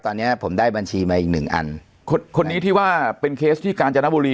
ตอนนี้ผมได้บัญชีมาอีกหนึ่งอันคนนี้ที่ว่าเป็นเคสที่กาญจนบุรี